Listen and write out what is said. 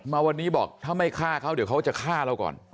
มาวันนี้บอกถ้าไม่ฆ่าเขาเดี๋ยวเขาจะฆ่าเราก่อน